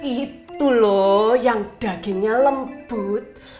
itu loh yang dagingnya lembut